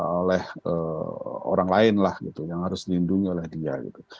oleh orang lain lah gitu yang harus dilindungi oleh dia gitu